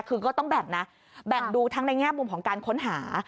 คือก็ต้องแบ่งนะแบ่งดูทั้งในแง่มุมของการค้นหา